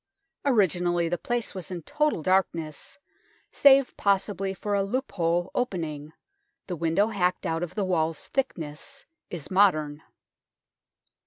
Originally the place was in total darkness, save possibly for a loophole opening ; the window hacked out of the wall's thickness is modern.